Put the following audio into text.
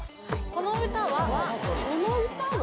この歌は・この歌は？